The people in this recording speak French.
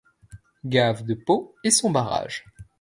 Gave de Pau et son barrage.